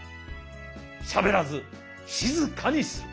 しゃべらずしずかにする。